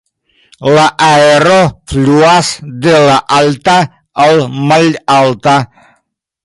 La aero fluas de la alta al la malalta.